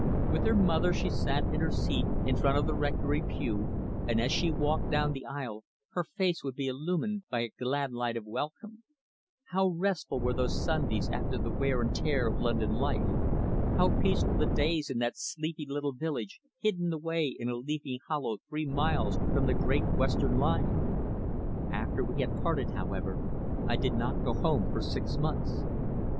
With her mother she sat in her seat in front of the Rectory pew, and as she walked down the aisle her face would be illumined by a glad light of welcome. How restful were those Sundays after the wear and tear of London life! How peaceful the days in that sleepy little village hidden away in a leafy hollow three miles from the Great Western line! After we had parted, however, I did not go home for six months.